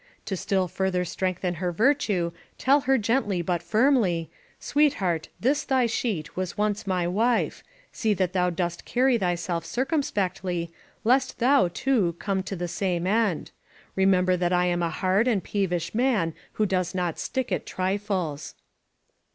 To still further strengthen her virtue, tell her gently but firmly: ^Sweetheart, this thy sheet was once my wife; see that thou dost carry thyself circumspectly lest thou, too, come to the same end. Remember that I am a hard and peevish man who does not stick at trifles.'